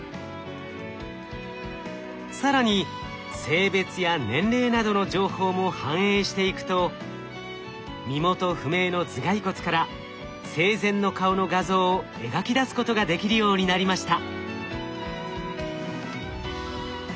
更に性別や年齢などの情報も反映していくと身元不明の頭蓋骨から生前の顔の画像を描き出すことができるようになりました。